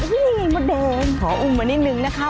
จริงมดแดงขออุ่มมานิดหนึ่งนะคะ